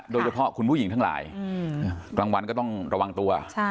โดยเฉพาะคุณผู้หญิงทั้งหลายกลางวันก็ต้องระวังตัว